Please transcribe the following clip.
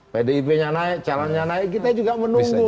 pdip nya naik calon nya naik kita juga menunggu